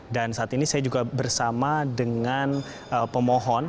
dan saat ini saya juga bersama dengan pemohon